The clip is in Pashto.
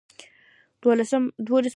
دولس بجې وې